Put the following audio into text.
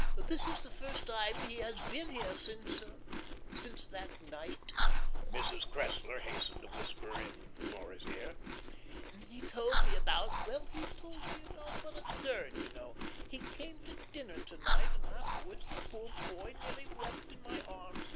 "This is the first time he has been here since since that night," Mrs. Cressler hastened to whisper in Laura's ear. "He told me about well, he told me what occurred, you know. He came to dinner to night, and afterwards the poor boy nearly wept in my arms.